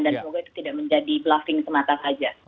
dan semoga itu tidak menjadi bluffing semata saja